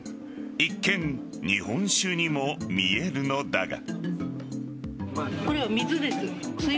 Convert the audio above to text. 一見、日本酒にも見えるのだが。